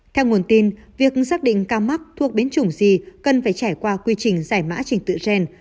theo nguồn tin việc xác định ca mắc thuộc biến chủng gì cần phải trải qua quy trình giải mã trình tự gen